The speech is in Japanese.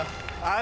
あ！